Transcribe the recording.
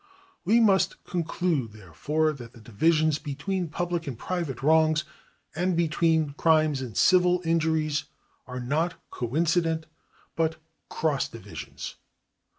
We must conclude, therefore, that the divisions between public and private wrongs and between crimes and civil injuries are not coincident but cross divisons.